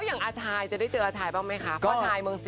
แล้วอาชายจะได้เจอบ้างไหมคะ